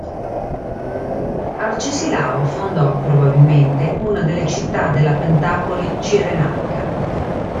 Arcesilao fondò probabilmente una delle città della pentapoli cirenaica.